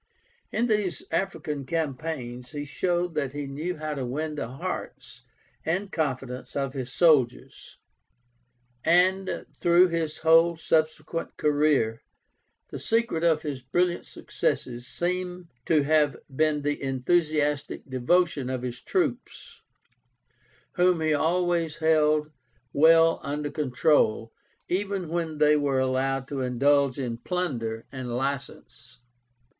In these African campaigns he showed that he knew how to win the hearts and confidence of his soldiers; and through his whole subsequent career, the secret of his brilliant successes seems to have been the enthusiastic devotion of his troops, whom he always held well under control, even when they were allowed to indulge in plunder and license.